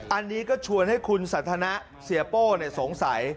อันนี้ก็ชวนให้คุณสันทนะเสียโป้สงสัย